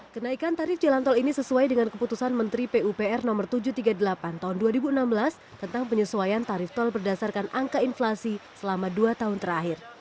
kenaikan tarif jalan tol ini sesuai dengan keputusan menteri pupr no tujuh ratus tiga puluh delapan tahun dua ribu enam belas tentang penyesuaian tarif tol berdasarkan angka inflasi selama dua tahun terakhir